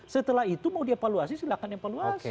setelah itu mau dievaluasi silahkan evaluasi